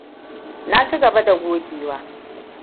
Na ci gaba da gogewa.